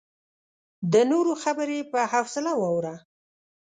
د نورو خبرې په حوصله واوره.